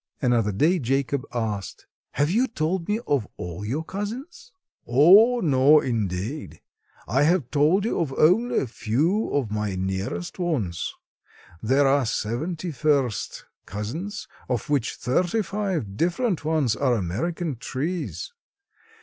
Another day Jacob asked: "Have you told me of all your cousins?" "Oh, no, indeed. I have told you of only a few of my nearest ones. There are seventy first cousins, of which thirty five different ones are American trees.